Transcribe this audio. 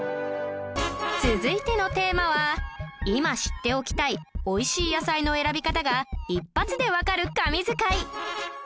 続いてのテーマは今知っておきたい美味しい野菜の選び方が一発でわかる神図解